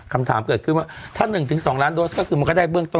คำถามเกิดขึ้นว่าถ้า๑๒ล้านโดสก็คือมันก็ได้เบื้องต้น